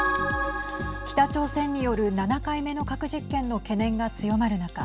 北朝鮮による７回目の核実験の懸念が強まる中